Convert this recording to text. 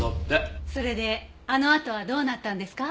それであのあとはどうなったんですか？